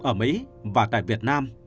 ở mỹ và tại việt nam